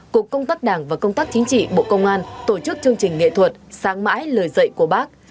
cục công tác đảng và công tác chính trị bộ công an tổ chức chương trình nghệ thuật sáng mãi lời dạy của bác